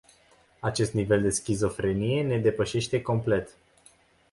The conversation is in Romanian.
Acest nivel de schizofrenie ne depășește complet.